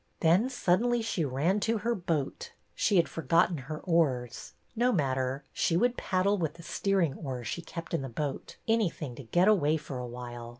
Then suddenly she ran to her boat. She had forgotten her oars. No matter. She would paddle with the steering oar she kept in the boat, anything to get away for a while.